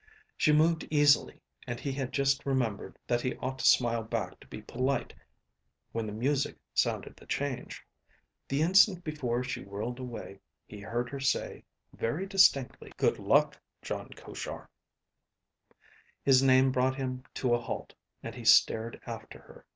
She moved easily, and he had just remembered that he ought to smile back to be polite when the music sounded the change. The instant before she whirled away, he heard her say, very distinctly, "Good luck, Jon Koshar." His name brought him to a halt, and he stared after her.